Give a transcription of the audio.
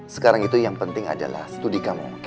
sekarang itu yang penting adalah studi kamu